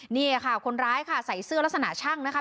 นี่ค่ะคนร้ายค่ะใส่เสื้อลักษณะช่างนะคะ